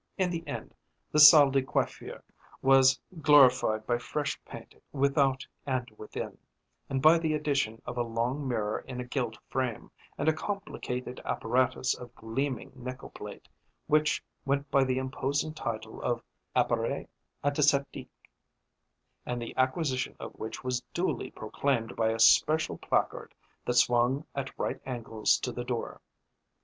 In the end, the salle de coiffure was glorified by fresh paint without and within, and by the addition of a long mirror in a gilt frame, and a complicated apparatus of gleaming nickel plate, which went by the imposing title of appareil antiseptique, and the acquisition of which was duly proclaimed by a special placard that swung at right angles to the door.